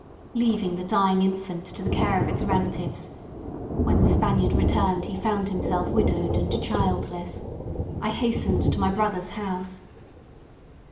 Leaving the dying infant to the care of its relatives (when the Spaniard returned he found himself widowed and childless), I hastened to my brother's house.